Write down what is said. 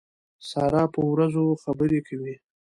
سارا په وروځو خبرې کوي.